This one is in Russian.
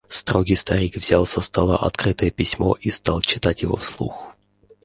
Строгий старик взял со стола открытое письмо и стал читать его вслух: